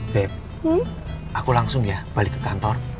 bep aku langsung ya balik ke kantor